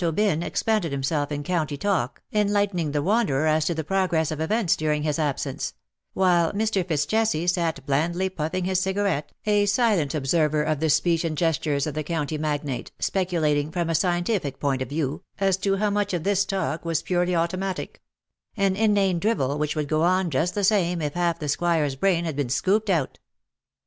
Aubyn expanded himself 120 in county talk, enlightening the wanderer as to the progress of events during his absence — while Mr. FitzJesse sat blandly puffing his cigarette, a silent observer of the speech and gestures of the county magnate, speculating, from a scientific point of view, as to how much of this talk were purely automatic — an inane drivel which would go on just the same if half the Squire's brain had been scooped out.